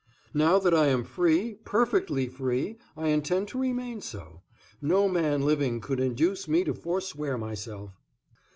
Now that I am free, perfectly free, I intend to remain so; no man living could induce me to forswear myself."